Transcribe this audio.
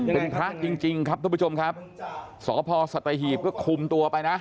เป็นพระจริงจริงครับทุกผู้ชมครับสพสัตหีบก็คุมตัวไปนะ